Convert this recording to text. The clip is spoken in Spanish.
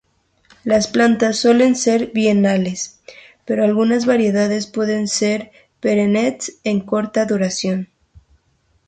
Las plantas suelen ser bienales, pero algunas variedades pueden ser perennes de corta duración.